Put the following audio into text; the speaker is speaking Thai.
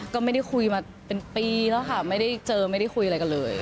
ก็ไม่ได้คุยมาเป็นปีแล้วค่ะไม่ได้เจอไม่ได้คุยอะไรกันเลย